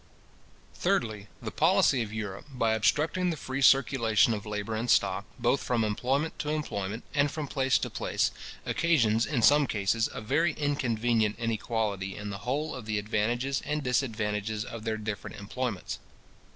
Thirdly, the policy of Europe, by obstructing the free circulation of labour and stock, both from employment to employment, and from place to place, occasions, in some cases, a very inconvenient inequality in the whole of the advantages and disadvantages of their different employments.